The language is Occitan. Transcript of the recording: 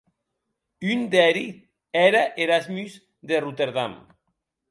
Un d'eri ère Erasmus de Rotterdam.